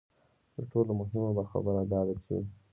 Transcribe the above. تر ټولو مهمه خبره دا ده چې.